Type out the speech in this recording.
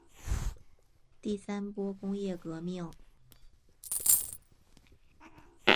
第三波工业革命